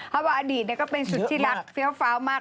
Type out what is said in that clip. ถ้าว่าอดีตก็เป็นสุขที่รักเฟี้ยวมาก